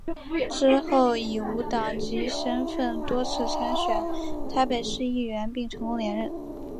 之后以无党籍身分多次参选台北市议员并成功连任。